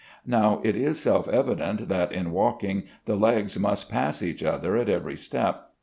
Now it is self evident that, in walking, the legs must pass each other at every step.